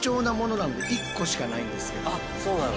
あっそうなの？